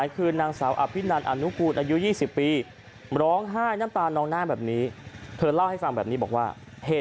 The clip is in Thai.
เธอเล่าให้ฟังแบบนี้บอกว่าเหตุการณ์มันเกิดบนถนนสายเอเซฟังขาดขึ้น